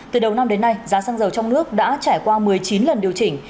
từ đầu năm đến nay giá xăng dầu trong nước đã trải qua một mươi chín lần điều chỉnh